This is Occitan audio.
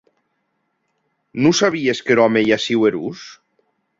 Non sabies qu’er òme ei aciu erós?